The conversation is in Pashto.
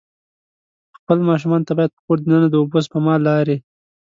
خپلو ماشومان ته باید په کور د ننه د اوبه سپما لارې.